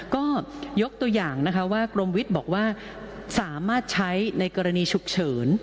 ก็ยกตัวอย่างนะคะว่ากรมวิทย์บอกว่าสามารถใช้ในกรณีฉุกเฉิน